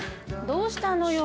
どうしたのよ。